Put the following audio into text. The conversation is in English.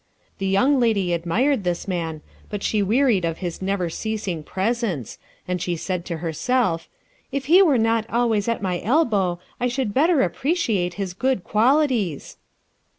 The Young Lady admired this man but she Wearied of his never ceasing Presence, and she Said to Herself, "If he were not Always at my Elbow I should Better Appreciate his Good Qualities."